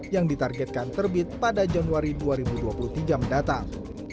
yang ditargetkan terbit pada januari dua ribu dua puluh tiga mendatang